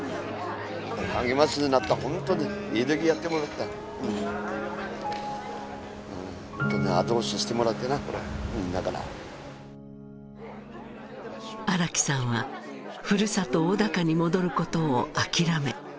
励ましになったホントにいい時やってもらったホントに後押ししてもらってなみんなから荒木さんは故郷小高に戻ることを諦め